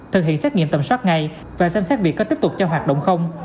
thực hiện xét nghiệm tầm soát ngay và xem xét việc có tiếp tục cho hoạt động không